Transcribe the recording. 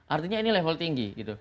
artinya ini level tinggi gitu